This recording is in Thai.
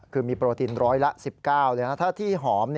คือมีโปรตินร้อยละ๑๙ถ้าที่หอม